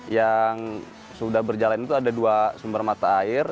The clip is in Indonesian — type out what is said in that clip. yang sudah berjalan itu ada dua sumber mata air